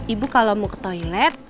ibu kalau mau ke toilet